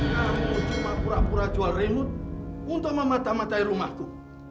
kamu cuma pura pura jual remote untuk memata matai rumahku